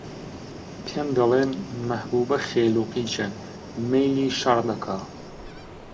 پێم دەڵێن: مەحبووبە خێل و قیچە، مەیلی شەڕ دەکا